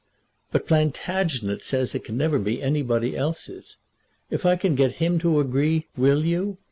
"But Plantagenet says it never can be anybody else's. If I can get him to agree, will you?